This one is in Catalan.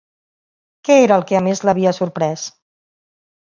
Què era el que més l'havia sorprès?